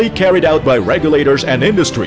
yang diperlukan oleh regulator dan industri